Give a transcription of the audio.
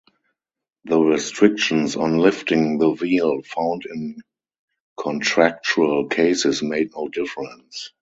The restrictions on lifting the veil, found in contractual cases made no difference.